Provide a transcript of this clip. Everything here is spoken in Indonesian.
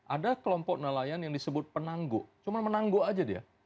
ada kelompok nelayan yang disebut penanggu cuma menangguk aja dia